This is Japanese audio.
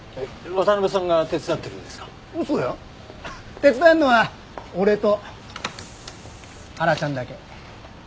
手伝えるのは俺と原ちゃんだけ。